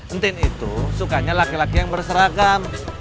entin itu sukanya laki laki yang berseragam